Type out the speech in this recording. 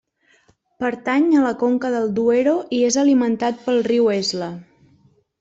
Pertany a la conca del Duero, i és alimentat pel riu Esla.